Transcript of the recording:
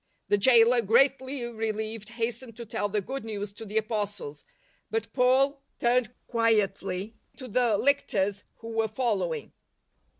The gaoler, greatly relieved, hastened to tell the good news to the Apostles, but Paul I i, turned quietly to the lictors who were fol lowing.